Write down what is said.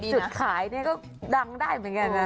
จุดขายนี่ก็ดังได้เหมือนกันนะ